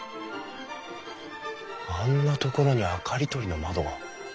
あんなところに明かり取りの窓が。